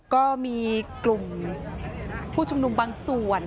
ก็มีกลุ่มผู้ชุมนุมบางส่วน